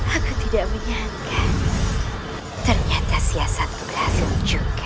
aku tidak menyangka ternyata siasatku berhasil juga